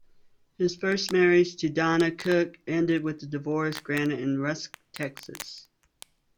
His first marriage, to Donna Cook, ended with a divorce granted in Rusk, Texas.